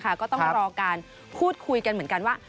ก็ต้องรอการพูดคุยกันเหมือนกันว่า